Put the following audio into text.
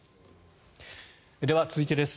では、続いてです。